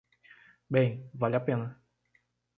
Bem, vale a pena.